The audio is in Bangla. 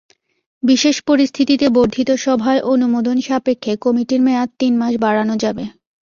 বিশেষ পরিস্থিতিতে বর্ধিত সভায় অনুমোদন সাপেক্ষে কমিটির মেয়াদ তিন মাস বাড়ানো যাবে।